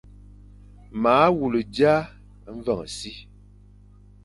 Ma wule dia mveñ e si,